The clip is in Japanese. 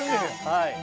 「はい」